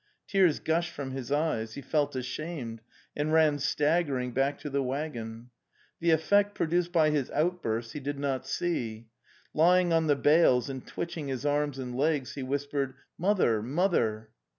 "' Tears gushed from his eyes; he felt ashamed, and ran staggering back to the waggon. The effect pro duced by his outburst he did not see. Lying on the dales and twitching his arms and legs, he whispered: '' Mother, mother!